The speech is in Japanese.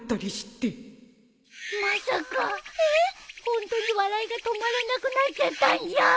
ホントに笑いが止まらなくなっちゃったんじゃ。